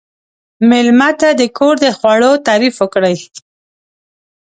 مېلمه ته د کور د خوړو تعریف وکړئ.